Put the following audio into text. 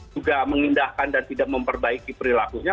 juga mengindahkan dan tidak memperbaiki perilakunya